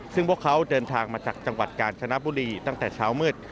ซึ่งพวกเขาเดินทางมาจากจังหวัดกาญจนบุรีตั้งแต่เช้ามืด